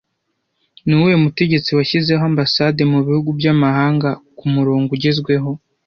Ni uwuhe mutegetsi washyizeho ambasade mu bihugu by'amahanga ku murongo ugezweho